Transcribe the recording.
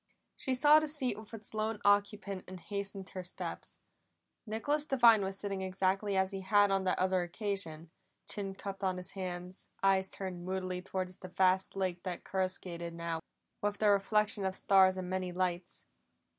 She saw the seat with its lone occupant, and hastened her steps. Nicholas Devine was sitting exactly as he had on that other occasion, chin cupped on his hands, eyes turned moodily toward the vast lake that coruscated now with the reflection of stars and many lights.